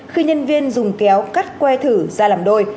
khi nhân viên dùng kéo cắt que thử ra làm đôi